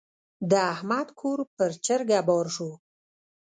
د احمد کور پر چرګه بار شو.